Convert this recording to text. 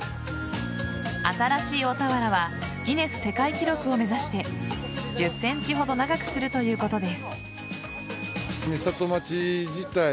新しい大俵はギネス世界記録を目指して１０ｃｍほど長くするということです。